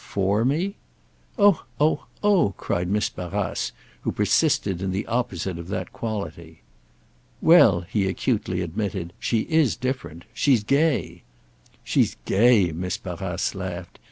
"'For' me—?" "Oh, oh, oh!" cried Miss Barrace, who persisted in the opposite of that quality. "Well," he acutely admitted, "she is different. She's gay." "She's gay!" Miss Barrace laughed.